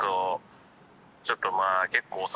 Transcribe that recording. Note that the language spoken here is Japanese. ちょっとまあ結構。